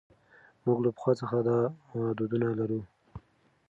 موږ له پخوا څخه دا دودونه لرو.